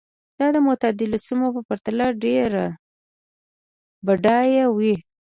دا د معتدلو سیمو په پرتله ډېرې بډایه وې.